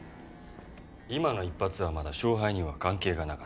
今の１発はまだ勝敗には関係がなかった。